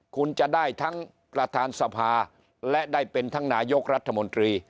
คุณจะได้ทั้งประธานสภาและได้เป็นทั้งนายกรัฐมนตรี